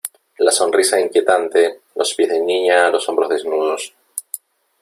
la sonrisa inquietante , los pies de niña , los hombros desnudos ,